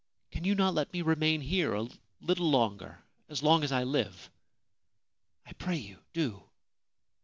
Can you not let me remain here a little longer — as long as I live ? I pray you, do